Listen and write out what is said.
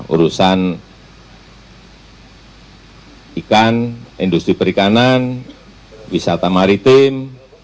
urusan ikan industri perikanan wisata maritim